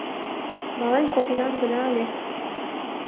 Мален колтенам гына ыле.